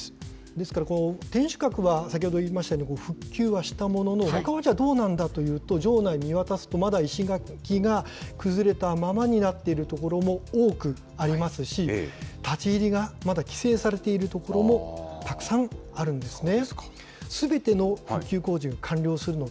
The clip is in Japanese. ですから、この天守閣は、先ほど言いましたけど、復旧はしたものの、ほかはどうなんだというと、城内見渡すと、まだ石垣が崩れたままになっている所も多くありますし、立ち入りがまだ規制されている所もたくさんあるんですね。